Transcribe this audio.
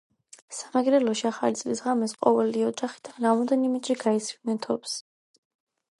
სამეგრელოში, ახალი წლის ღამეს ყოველი ოჯახიდან რამოდენიმეჯერ გაისროდნენ თოფს